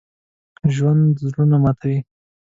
ژوندي زړونه ماتوي